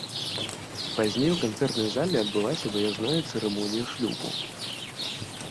Пазней у канцэртнай зале адбылася выязная цырымонія шлюбу.